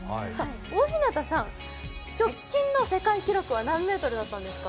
大日向さん、直近の世界記録は何メートルだったんですか？